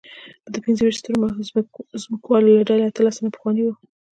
د پنځه ویشت سترو ځمکوالو له ډلې اتلس تنه پخواني وو.